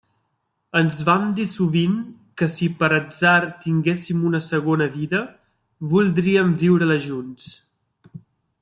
Ens vam dir sovint que si, per atzar tinguéssim una segona vida, voldríem viure-la junts.